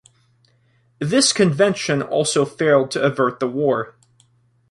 This convention also failed to avert the war.